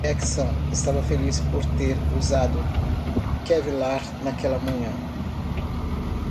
Jackson estava feliz por ter usado Kevlar naquela manhã.